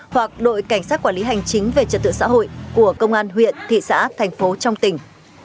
hoặc đội cảnh sát quản lý hành chính về trật tự xã hội của công an huyện thị xã thành phố trong tỉnh